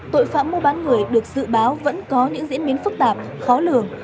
tội phạm mua bán người được dự báo vẫn có những diễn biến phức tạp khó lường